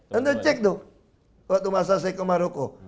anda cek tuh waktu masa saya ke maroko